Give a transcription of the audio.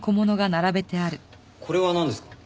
これはなんですか？